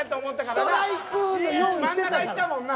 「ストライク！」の用意してたから。